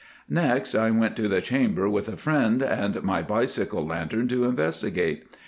Next, I went to the chamber with a friend and my bicycle lantern to investigate.